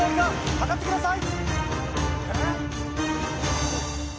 量ってください！